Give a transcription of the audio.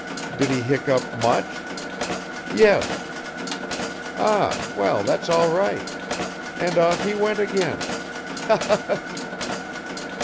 'Did he hiccup much?' 'Yes.' 'Ah, well, that's all right,' and off he went again. Ha! ha! ha!"